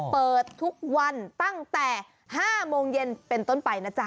เปิดทุกวันตั้งแต่๕โมงเย็นเป็นต้นไปนะจ๊ะ